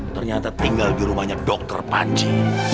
ternyata tinggal di rumahnya dr panji